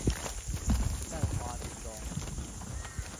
在花之中